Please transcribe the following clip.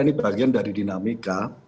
ini bagian dari dinamika